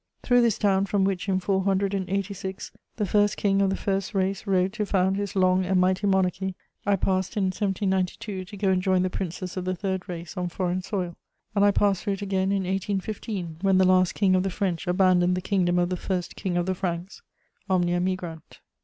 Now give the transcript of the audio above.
Through this town, from which, in 486, the first King of the First Race rode to found his long and mighty monarchy, I passed in 1792 to go and join the Princes of the Third Race on foreign soil, and I passed through it again in 1815, when the last King of the French abandoned the kingdom of the first King of the Franks: _omnia migrant.